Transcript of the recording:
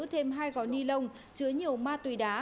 thêm hai gói ni lông chứa nhiều ma túy đá